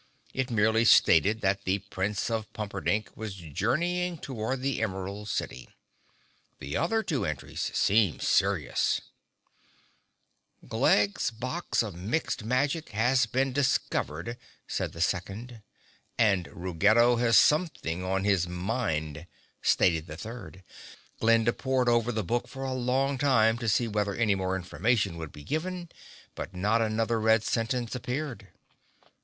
It merely stated that the Prince of Pumperdink was journeying toward the Emerald City. The other two entries seemed serious. [Illustration: (unlabelled)] "Glegg's box of Mixed Magic has been discovered," said the second, and "Ruggedo has something on his mind," stated the third. Glinda pored over the book for a long time to see whether any more information would be given but not another red sentence appeared.